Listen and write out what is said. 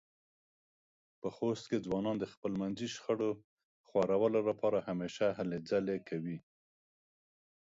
په خوست کې ځوانان د خپلمنځې شخړو خوارولو لپاره همېشه هلې ځلې کوي.